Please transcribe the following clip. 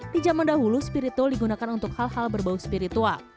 di zaman dahulu spiritual digunakan untuk hal hal berbau spiritual